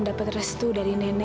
orang besar suka omdat soal game